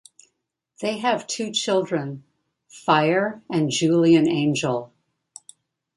They have two children, Fire and Julian Angel.